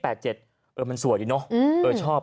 เออมันสวยดีเนอะชอบ